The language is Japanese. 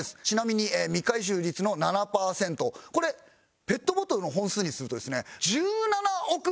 ちなみに未回収率の７パーセントこれペットボトルの本数にするとですね１７億